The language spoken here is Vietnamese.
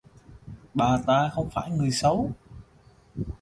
Bà ta không phải là người xấu